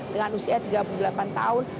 dengan usia tiga puluh delapan tahun